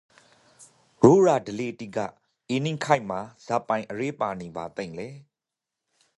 ရိုးရာဓလေ့တိကအေနိန့်ခေတ်မှာဇာပိုင်အရေးပါနိန်ပါသိမ့်လေ